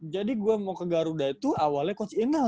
jadi gue mau ke garuda itu awalnya coach inal